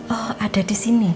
oh ada di sini